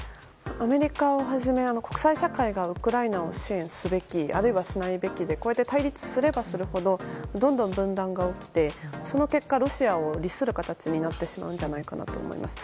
アメリカをはじめ国際社会がウクライナを支援すべきあるいはしないべきだと対立すればするほどどんどん分断が起きてその結果、ロシアを利する形になってしまうんじゃないかなと思います。